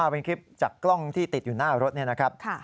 เป็นคลิปจากกล้องที่ติดอยู่หน้ารถนี่นะครับ